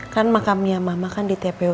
kan makamnya mama kan di tpu